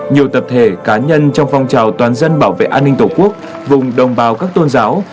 nhiều tập thể cá nhân trong phong trào toàn dân bảo vệ an ninh tổ quốc vùng đồng bào các tôn giáo